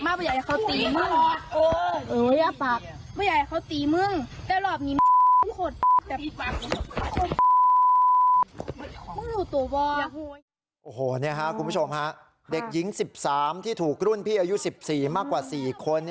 ทุกคนดีตาบนี้ครับคุณผู้ชมของเด็กหญิง๑๓ที่ถูกรุ่นพี่อายุ๑๔มากกว่า๔คน